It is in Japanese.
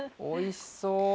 おいしそう。